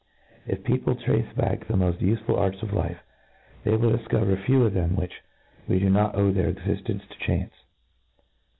If people trace back the mod ufeful arts 6f life^ they will difcover few of them ^vhich do not owe their exiftence to chance.